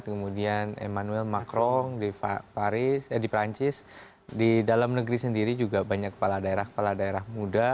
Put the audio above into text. kemudian emmanuel macron di paris eh di perancis di dalam negeri sendiri juga banyak kepala daerah kepala daerah muda